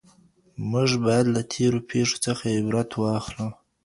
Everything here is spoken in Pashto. موږ بايد له تېرو پېښو څخه عبرت واخلو.